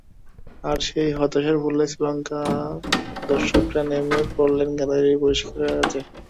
আর সেই হতাশা ভুলে শ্রীলঙ্কার দর্শকেরা নেমে পড়লেন গ্যালারি পরিষ্কারের কাজে।